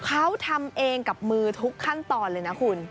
เขาทำเองกับมือทุกขั้นตอนเลยนะคุณ